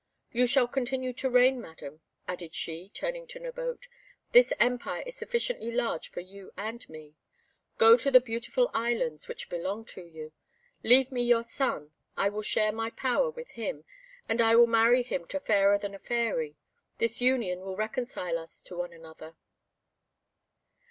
You shall continue to reign, Madam," added she, turning to Nabote: "this empire is sufficiently large for you and me. Go to the Beautiful Islands, which belong to you. Leave me your son; I will share my power with him, and I will marry him to Fairer than a Fairy; this union will reconcile us to one another."